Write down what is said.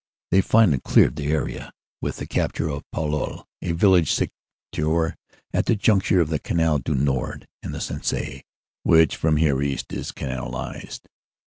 They finally cleared the area with the capture of Palluel, a village situate at the juncture of the Canal du Nord and the Sensee, which from here east is canalized.